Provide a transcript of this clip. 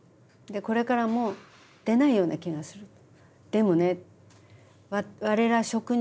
「これからも出ないような気がする」と。